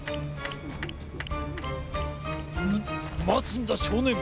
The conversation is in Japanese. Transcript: ムッまつんだしょうねん！